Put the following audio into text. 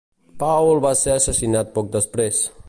Paul va ser assassinat poc després.